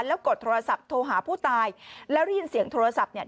แล้วกดโทรศัพท์โทรหาผู้ตายแล้วได้ยินเสียงโทรศัพท์เนี่ย